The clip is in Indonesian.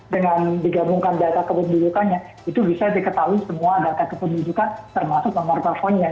dengan digabungkan data kependudukannya itu bisa diketahui semua data kependudukan termasuk nomor teleponnya